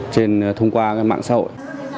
trên thông qua mạng xã hội